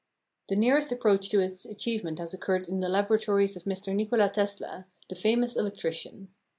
The nearest approach to its achievement has occurred in the laboratories of Mr. Nikola Tesla, the famous electrician.